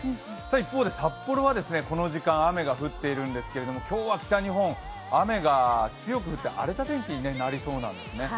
一方で札幌はこの時間、雨が降っているんですけれども今日は北日本、雨が強く降って荒れた天気になりそうなんですね。